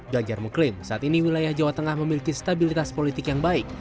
ganjar mengklaim saat ini wilayah jawa tengah memiliki stabilitas politik yang baik